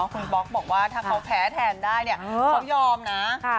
คุณบ๊อกบอกว่าถ้าเขาแพ้แทนได้เนี่ยเขายอมนะ